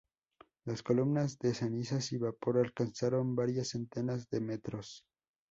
Las columnas de cenizas y vapor alcanzaron varias centenas de metros.